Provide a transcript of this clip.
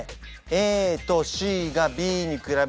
ＡとＣがＢに比べて甘め。